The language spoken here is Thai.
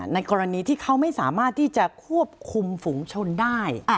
ในกรณีที่เขาไม่สามารถที่จะควบคุมฝุงชนได้